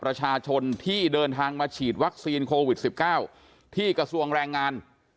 ประชาชนที่เดินทางมาฉีดวัคซีนโควิด๑๙ที่กระทรวงแรงงาน